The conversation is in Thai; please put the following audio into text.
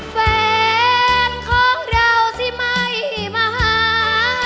แฟนของเราสิไม่มาหา